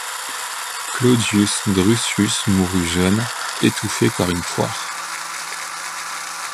Claudius Drusus mourut jeune, étouffé par une poire.